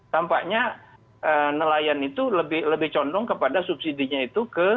tampaknya nelayan itu lebih condong kepada subsidinya itu ke